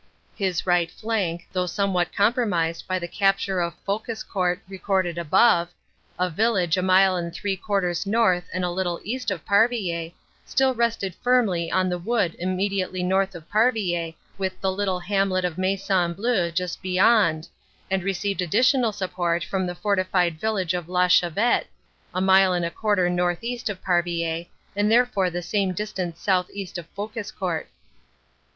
His right flank, though some what compromised by the capture of Fouquescourt recorded above, a village a mile and three quarters north and a little east of Parvillers, still rested firmly on the wood immediately north of Parvillers with the little hamlet of Maison Bleu just beyond, and received additional support from the fortified 61 62 CANADA S HUNDRED DAYS village of La Chavette, a mile and a quarter northeast of Parvillers and therefore the same distance southeast of Fouquescourt.